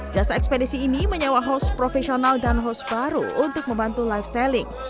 jasa ekspedisi ini menyewa host profesional dan host baru untuk membantu live selling